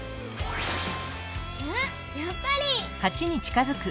あやっぱり！